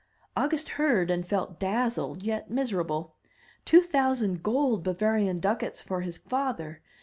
August heard, and felt dazzled yet miserable. Two thousand gold Bavarian ducats for his father!